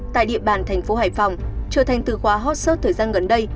tại địa bàn thành phố hải phòng trở thành từ khóa hot suốt thời gian gần đây